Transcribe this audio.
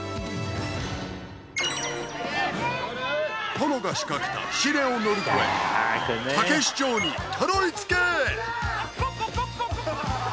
殿が仕掛けた試練を乗り越えたけし城にたどり着け！